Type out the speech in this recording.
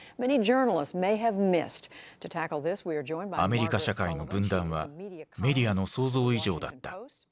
アメリカ社会の分断はメディアの想像以上だった。